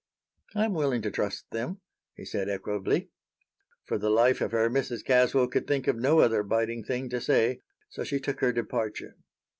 "I am willing to trust them," he said, equably. For the life of her, Mrs. Caswell could think of no other biting thing to say, so she took her departure.